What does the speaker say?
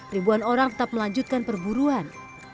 ribuan orang tetap melanjutkan perburuan